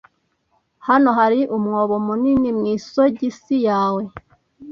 Hano hari umwobo munini mu isogisi yawe.